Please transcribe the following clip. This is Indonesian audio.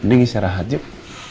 mending istirahat yuk